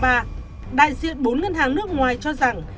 đại diện bốn ngân hàng nước ngoài cho rằng